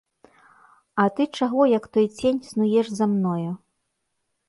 А ты чаго, як той цень, снуеш за мною?